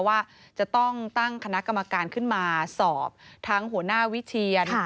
ว่าจะต้องตั้งคณะกรรมการขึ้นมาสอบทั้งหัวหน้าวิเชียน